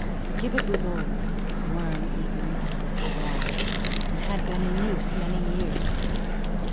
The gibbet was old, worm eaten, although strong, and had been in use many years.